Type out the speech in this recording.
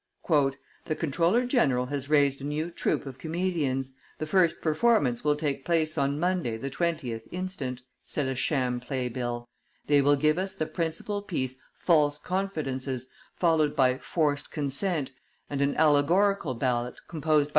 "The comptroller general has raised a new troop of comedians; the first performance will take place on Monday the 20th instant," said a sham play bill: "they will give us the principal piece False Confidences, followed by Forced Consent and an allegorical ballot, composed by M.